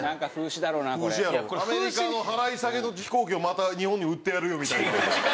アメリカの払い下げの飛行機をまた日本に売ってやるよみたいな。